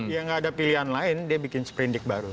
ya nggak ada pilihan lain dia bikin sprindik baru